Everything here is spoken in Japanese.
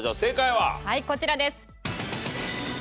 はいこちらです。